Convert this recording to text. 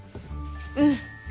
うん！